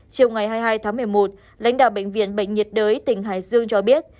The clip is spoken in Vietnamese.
chiều ngày hai mươi hai tháng một mươi một lãnh đạo bệnh viện bệnh nhiệt đới tỉnh hải dương cho biết